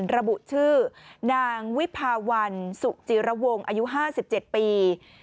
ระบุชื่อนางวิภาวันสุจิระวงอายุ๕๗ปี